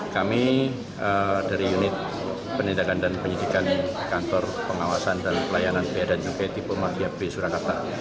kami dari unit penindakan dan penyidikan kantor pengawasan dan pelayanan bea dan cukai tipe madia b surakarta